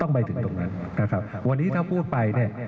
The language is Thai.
ไปถึงตรงนั้นนะครับวันนี้ถ้าพูดไปเนี่ย